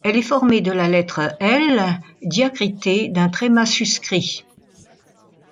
Elle est formée de la lettre L diacritée d’un tréma suscrit.